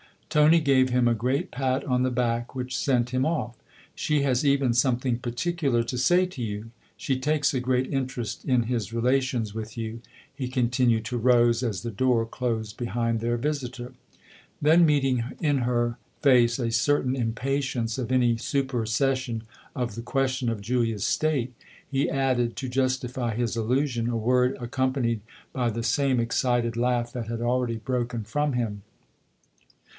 Tony gave him a great pat on the back which sent him off. " She has even something particular to say to you ! She takes a great interest in his rela tions with you," he continued to Rose as the door closed behind their visitor. Then meeting in her face a certain impatience of any supersession of the question of Julia's state, he added, to justify his allusion, a word accompanied by the same excited laugh that had already broken from him.